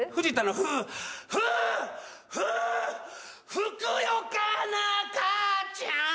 ふふふくよかな母ちゃん！